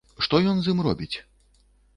Што ён з ім робіць?